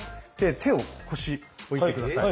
手を腰に置いて下さい。